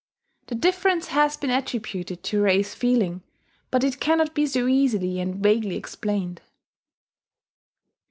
The difference has been attributed to race feeling; but it cannot be so easily and vaguely explained.